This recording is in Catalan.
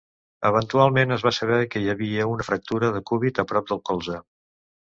Eventualment es va saber que hi havia una fractura de cúbit a prop del colze.